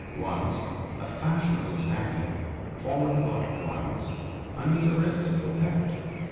Once a fashionable spaniel followed him out of Lyons and he was arrested for theft.